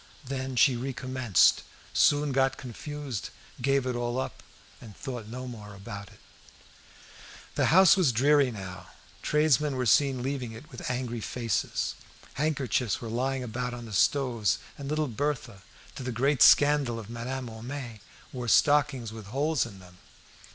Then she recommenced, soon got confused, gave it all up, and thought no more about it. The house was very dreary now. Tradesmen were seen leaving it with angry faces. Handkerchiefs were lying about on the stoves, and little Berthe, to the great scandal of Madame Homais, wore stockings with holes in them.